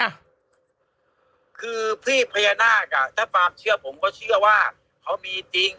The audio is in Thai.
คือพี่พญานาคอ่ะถ้าความเชื่อผมก็เชื่อว่าเขามีจริง